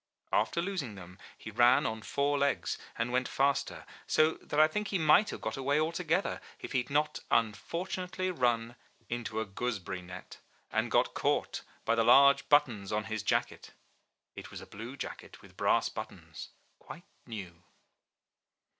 After losing them he ran on four legs and went faster, so that I think he might have got away altogether, if he had not unfortunately run into a MY BOOK HOUSE gooseberry net, and got caught by the large buttons on his jacket. It was a blue jacket with brass buttons, quite new.